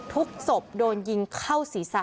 ศพโดนยิงเข้าศีรษะ